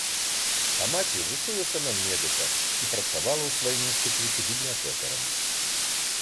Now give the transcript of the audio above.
А маці вучылася на медыка і працавала ў сваім інстытуце бібліятэкарам.